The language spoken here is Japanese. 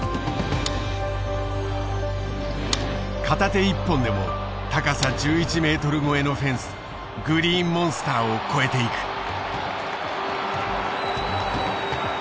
片手一本でも高さ１１メートル超えのフェンスグリーンモンスターを越えていく。